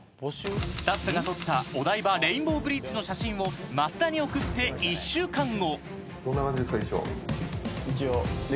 ［スタッフが撮ったお台場レインボーブリッジの写真を増田に送って１週間後］